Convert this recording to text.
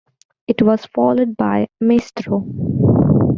It was followed by "Maestro".